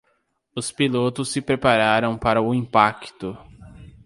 Os pilotos se prepararam para o impacto.